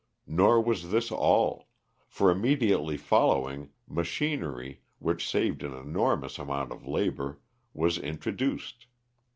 Nor was this all; for immediately following, machinery, which saved an enormous amount of labor, was introduced.